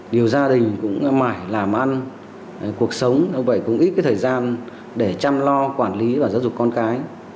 điều gia đình cũng mải làm ăn cuộc sống không phải cũng ít cái thời gian để chăm lo quản lý và giáo dục con cái